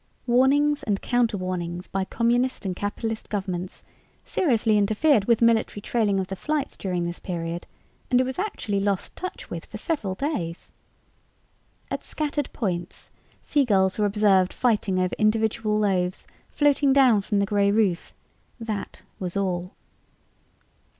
Warnings and counterwarnings by Communist and Capitalist governments seriously interfered with military trailing of the flight during this period and it was actually lost in touch with for several days. At scattered points, seagulls were observed fighting over individual loaves floating down from the gray roof that was all.